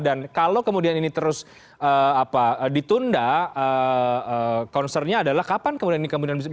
dan kalau kemudian ini terus ditunda concernya adalah kapan kemudian ini bisa disahkan